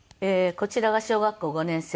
こちらが小学校５年生